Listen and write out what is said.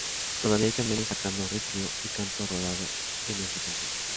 Todavía hay camiones sacando ripio y canto rodado en esta cantera.